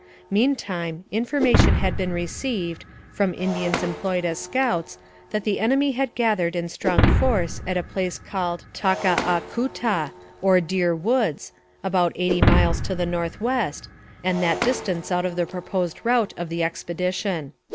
Meantime, information had been received, from Indians employed as scouts, that the enemy had gath ered in strong force at a place called Ta ka a ku ta, or Deer Woods, about eighty miles to the north west, and that distance out of the proposed route of the ex pedition.